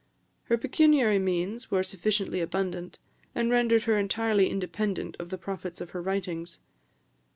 Her pecuniary means were sufficiently abundant, and rendered her entirely independent of the profits of her writings.